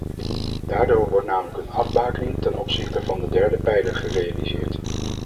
Daardoor wordt namelijk een afbakening ten opzichte van de derde pijler gerealiseerd.